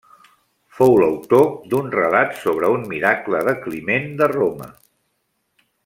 Fou l'autor d'un relat sobre un miracle de Climent de Roma.